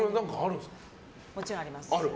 もちろんあります。